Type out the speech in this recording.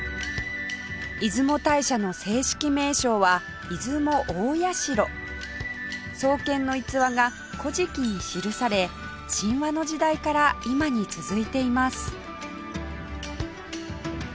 出雲大社の正式名称は出雲大社創建の逸話が『古事記』に記され神話の時代から今に続いています